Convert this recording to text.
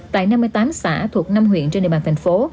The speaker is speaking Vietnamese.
tại năm mươi tám xã thuộc năm huyện trên địa bàn thành phố